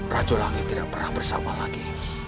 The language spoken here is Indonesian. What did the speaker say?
racu langit tidak pernah bersama lagi